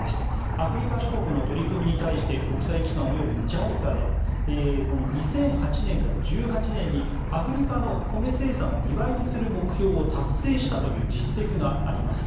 アフリカ諸国の取り組みに対して国際機関及びＪＩＣＡで２００８年から１８年にアフリカのコメ生産を２倍にする目標を達成したという実績があります。